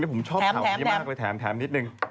ผมชอบข่าวนี้มากเลยแถมนิดนึง